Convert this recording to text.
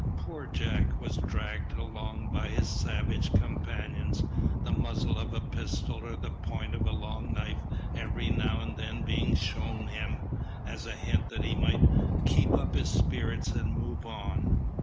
Poor Jack was dragged along by his savage companions, the muzzle of a pistol or the point of a long knife every now and then being shown him, as a hint that he must keep up his spirits and move on.